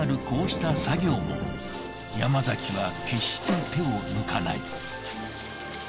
こうした作業を山崎は決して手を抜かない。